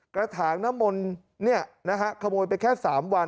กระถางน้ำมนเนี่ยนะฮะขโมยไปแค่๓วัน